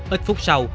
ít phút sau